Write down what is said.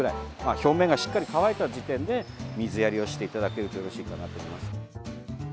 表面がしっかり乾いた時点で水やりをしていただけるとよろしいかなと思います。